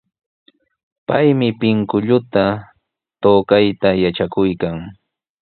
Paymi pinkullata tukayta yatrakuykan.